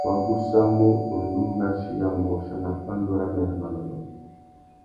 Wa gussamú undú ngʼachiya môchia nà pandú râmê râ manônôh.